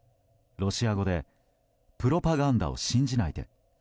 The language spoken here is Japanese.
ロシア語で「プロパガンダを信じないで。